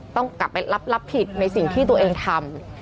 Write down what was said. ต้องกลับไปรับผิดในสิ่งที่ตัวเองทำ